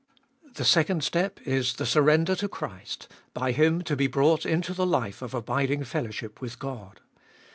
The second step is, the surrender to Christ, by Him to be brought into the life of abiding fellowship with God.